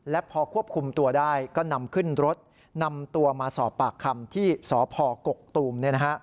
และพอควบคุมตัวได้ก็นำขึ้นรถนำตัวมาสอบปากคำที่สพกกตูม